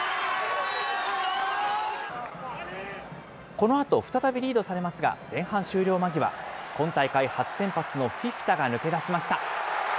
このあと、再びリードされますが、前半終了間際、今大会初先発のフィフィタが抜け出しました。